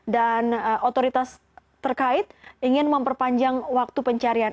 otoritas terkait ingin memperpanjang waktu pencarian